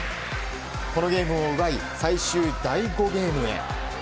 このゲームを奪い最終第５ゲームへ。